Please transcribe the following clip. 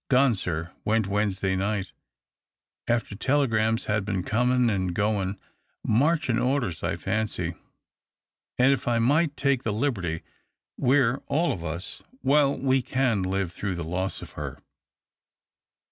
" Gone, sir. Went Wednesday night, aft«r telegrams had been comin' and goin'. Marchin' orders, I fancy. And if I might take the liberty, we're all of us — well, we c<in live through the loss of her.